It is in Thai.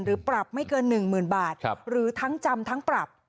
หรือปรับไม่เกินหนึ่งหมื่นบาทหรือทั้งจำทั้งปรับ